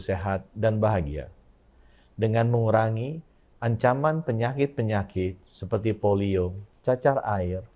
sehat dan bahagia dengan mengurangi ancaman penyakit penyakit seperti polio cacar air